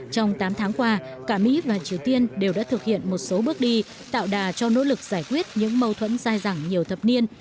trong tám tháng qua cả mỹ và triều tiên đều đã thực hiện một số bước đi tạo đà cho nỗ lực giải quyết những mâu thuẫn dai dẳng nhiều thập niên